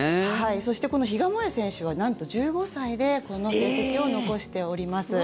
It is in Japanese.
そしてこの比嘉もえ選手はなんと１５歳でこの成績を残しております。